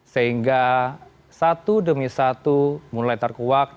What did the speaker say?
sehingga satu demi satu mulai terkuak